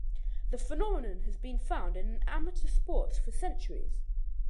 This phenomenon has been found in amateur sports for centuries.